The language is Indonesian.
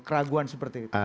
keraguan seperti itu